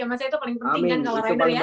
masa itu paling penting kan kalau rider ya